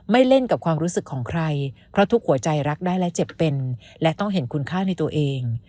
เล่นกับความรู้สึกของใครเพราะทุกหัวใจรักได้และเจ็บเป็นและต้องเห็นคุณค่าในตัวเอง